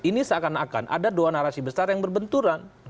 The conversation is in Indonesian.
ini seakan akan ada dua narasi besar yang berbenturan